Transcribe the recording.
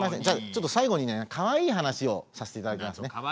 じゃあちょっと最後にねかわいい話をさせていただきますね。